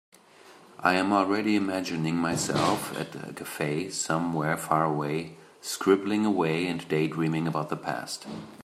I am already imagining myself at a cafe somewhere far away, scribbling away and daydreaming about the past.